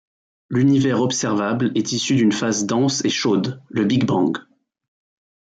L'univers observable est issu d'une phase dense et chaude, le Big Bang.